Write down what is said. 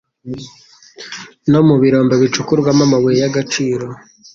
no mu birombe bicukurwamo amabuye y'agaciro.